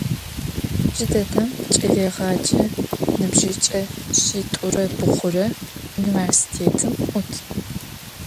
Cıdedem ç'eleêğece nıbjıç'e şsit'ure bğure vunivêrsitêtım 'ut.